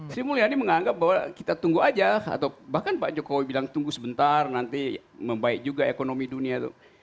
sri mulyani menganggap bahwa kita tunggu aja atau bahkan pak jokowi bilang tunggu sebentar nanti membaik juga ekonomi dunia itu